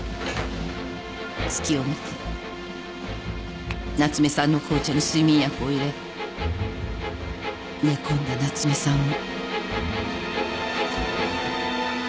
すきを見て夏目さんの紅茶に睡眠薬を入れ寝込んだ夏目さんを。